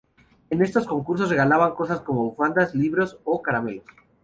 En esos concursos, regalaban cosas como bufandas, libros o caramelos.